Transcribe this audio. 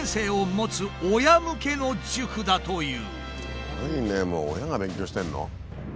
すごいねもう親が勉強してるの？